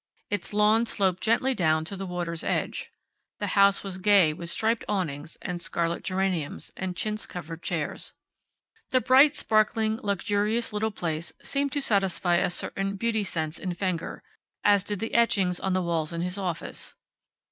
Its lawn sloped gently down to the water's edge. The house was gay with striped awnings, and scarlet geraniums, and chintz covered chairs. The bright, sparkling, luxurious little place seemed to satisfy a certain beauty sense in Fenger, as did the etchings on the walls in his office.